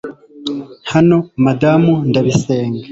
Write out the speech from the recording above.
Hano Madamu ndabisenga